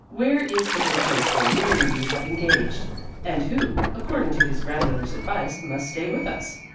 "Where is the little coachman whom you have engaged and who, according to his grandmother's advice, must stay with us?"